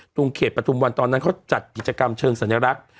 ตรงเขตปฐุมวันตอนนั้นเขาจัดกิจกรรมเชิงสัญลักษณ์